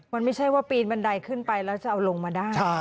มันไม่ใช่ว่าปีนบันไดขึ้นไปแล้วจะเอาลงมาได้